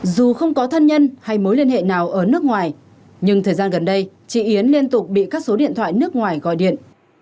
dù không có thân nhân hay mối liên hệ nào ở nước ngoài nhưng thời gian gần đây chị yến liên tục bị các số điện thoại nước ngoài gọi điện